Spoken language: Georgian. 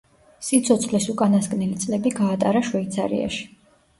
სიცოცხლის უკანასკნელი წლები გაატარა შვეიცარიაში.